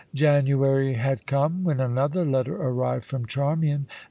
January had come, when another letter arrived from Charmian.